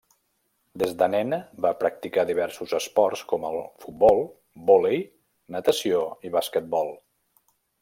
Des de nena va practicar diversos esports com a futbol, volei, natació i basquetbol.